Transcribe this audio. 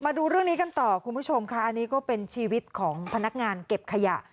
มาดูเรื่องนี้กันต่อคุณผู้ชมค่ะอันนี้ก็เป็นชีวิตของพนักงานเก็บขยะ